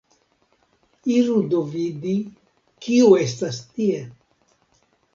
Iru do vidi, kiu estas tie.